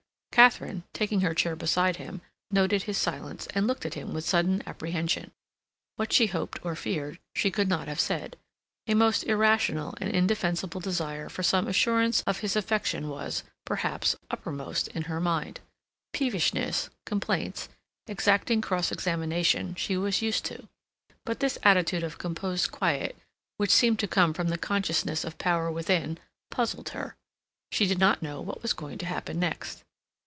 Katharine, taking her chair beside him, noted his silence and looked at him with sudden apprehension. What she hoped or feared, she could not have said; a most irrational and indefensible desire for some assurance of his affection was, perhaps, uppermost in her mind. Peevishness, complaints, exacting cross examination she was used to, but this attitude of composed quiet, which seemed to come from the consciousness of power within, puzzled her. She did not know what was going to happen next.